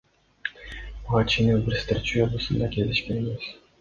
Буга чейин илбирстер Чүй облусунда кездешкен эмес.